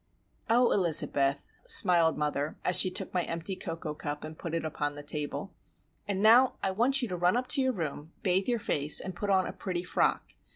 "Oh, Elizabeth!" smiled mother, as she took my empty cocoa cup and put it upon the table. "And now I want you to run up to your room, bathe your face, and put on a pretty frock.